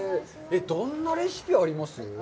どんなレシピがあります？